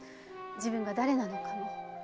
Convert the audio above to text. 自分が誰なのかも。